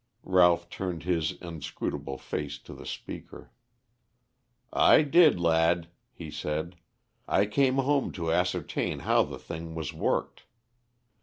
Ralph turned his inscrutable face to the speaker. "I did, lad," he said. "I came home to ascertain how the thing was worked.